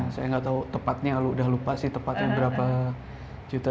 saya nggak tahu tepatnya udah lupa sih tepatnya berapa juta